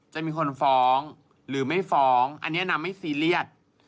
จะมีคนฟ้องหรือไม่ฟ้องอันนี้นางไม่ซีเรียส